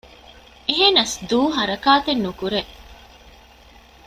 އެހެނަސް ދޫ ހަރަކާތެއްނުކުރޭ